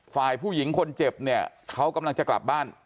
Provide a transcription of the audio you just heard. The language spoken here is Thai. ฝ่ายผู้หญิงคนเจ็บเนี่ยเขากำลังจะกลับบ้าน